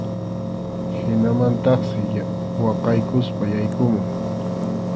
Hinamantaqsi waqaykuspa yaykumun.